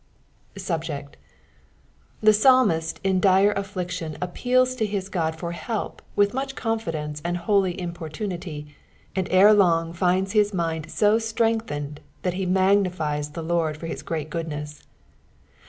Subject. — TV psotniisi in dire q^idionoppeots to his Oodfor hdp teithnwA con/idenM and hi^y importunUi/, and ere long finds his mind so slrengtkened that he magnifiea the Lord for his great goodness.